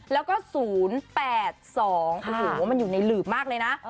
แล้วก็๐๘๒โอ้โหมันอยู่ในหลืบมากเลยนะ